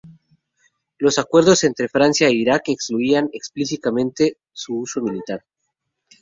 Los acuerdos entre Francia e Irak excluían explícitamente su uso militar.